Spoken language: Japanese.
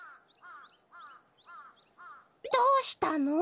どうしたの！？